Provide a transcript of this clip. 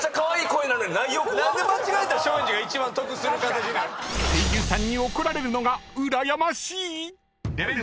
［声優さんに怒られるのがうらやましい⁉］